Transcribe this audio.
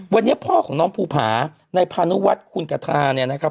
วันนี้พ่อของน้องภูผาในพานุวัฒน์คุณกทาเนี่ยนะครับ